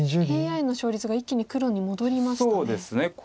ＡＩの勝率が一気に黒に戻りましたね。